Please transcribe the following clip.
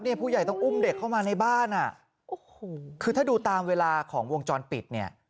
ผู้ใหญ่ต้องอุ้มเด็กเข้ามาในบ้านอ่ะโอ้โหคือถ้าดูตามเวลาของวงจรปิดเนี่ย